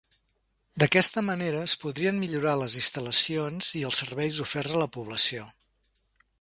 D'aquesta manera es podrien millorar les instal·lacions i els serveis oferts a la població.